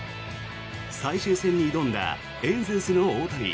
最終戦に挑んだエンゼルスの大谷。